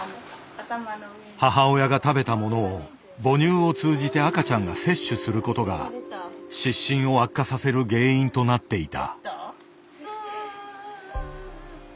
母親が食べたものを母乳を通じて赤ちゃんが摂取することが湿疹を悪化させる原因となっていた。